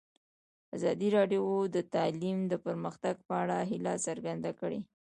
ازادي راډیو د تعلیم د پرمختګ په اړه هیله څرګنده کړې.